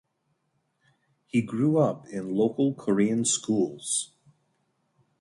He grew up in local Korean schools.